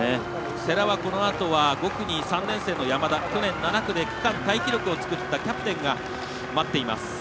世羅は５区に３年生の山田７区で区間タイ記録を作ったキャプテンが待っています。